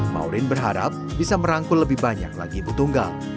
maureen berharap bisa merangkul lebih banyak lagi ibu tunggal